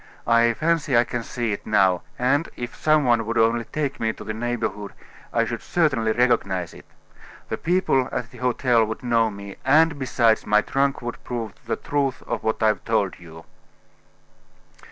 I fancy I can see it now; and, if some one would only take me to the neighborhood, I should certainly recognize it. The people at the hotel would know me, and, besides, my trunk would prove the truth of what I've told you."